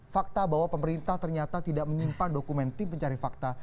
fakta bahwa pemerintah ternyata tidak menyimpan dokumen tim pencari fakta